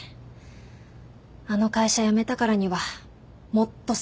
あの会社辞めたからにはもっと成功させないと。